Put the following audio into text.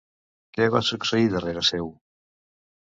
Què va succeir darrere seu?